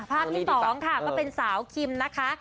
ภาพที่๒ค่ะก็เป็นสาวคิมนะคะ